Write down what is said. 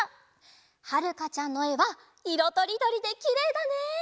はるかちゃんのえはいろとりどりできれいだね！